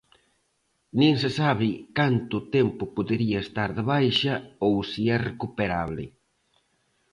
Nin se sabe canto tempo podería estar de baixa ou se é recuperable.